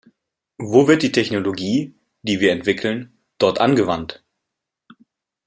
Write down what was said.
Wo wird die Technologie, die wir entwickeln, dort angewandt?